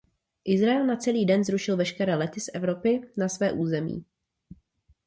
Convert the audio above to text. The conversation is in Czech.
Izrael na celý den zrušil veškeré lety z Evropy na své území.